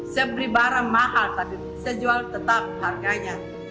saya beli barang mahal tapi saya jual tetap harganya